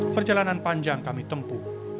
perjalanan panjang kami tempuh